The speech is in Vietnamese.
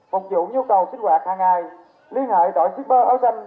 phục vụ nhu cầu sinh hoạt hàng ngày liên hệ đội shipper áo xanh